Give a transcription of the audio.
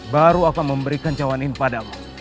baru aku akan memberikan cawan ini padamu